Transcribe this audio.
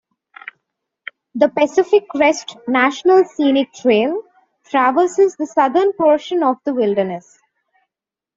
The Pacific Crest National Scenic Trail traverses the southern portion of the wilderness.